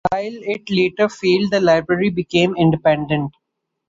While it later failed, the library became independent.